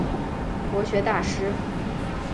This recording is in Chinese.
国学大师。